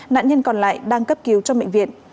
nạn nhân còn lại đang cấp cứu trong bệnh viện